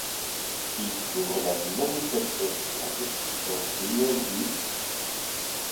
Il couvre la manifestation estudiantine du.